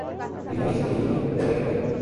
Limões e tomilho devem ir bem.